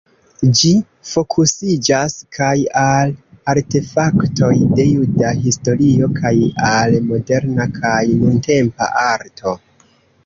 Ĝi fokusiĝas kaj al artefaktoj de juda historio kaj al moderna kaj nuntempa arto.